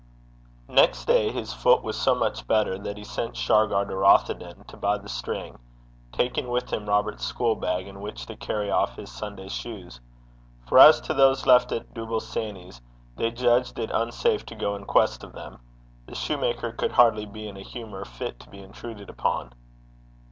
Next day, his foot was so much better that he sent Shargar to Rothieden to buy the string, taking with him Robert's school bag, in which to carry off his Sunday shoes; for as to those left at Dooble Sanny's, they judged it unsafe to go in quest of them: the soutar could hardly be in a humour fit to be intruded upon.